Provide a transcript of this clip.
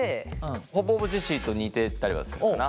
ほぼほぼジェシーと似てたりはするかな。